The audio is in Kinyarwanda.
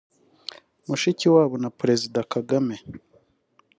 Mushikiwabo na Perezida wa Kagame